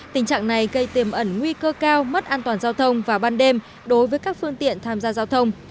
tình trạng này gây tiềm ẩn nguy cơ cao mất an toàn giao thông vào ban đêm đối với các phương tiện tham gia giao thông